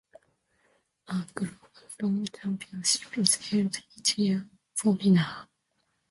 A Global Tongo Championship is held each year on Ferenginar.